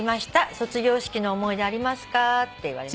「卒業式の思い出ありますか？」って言われましたけど。